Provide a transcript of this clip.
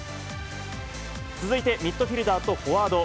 続いてミッドフィールダーとフォワード。